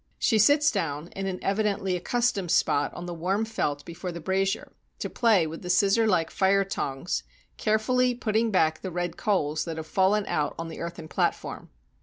She sits down, in an evidently accustomed spot on the warm felt before the brazier, to play with the scissor like fire tongs, carefully putting back the red coals that have fallen out on the earthen platform.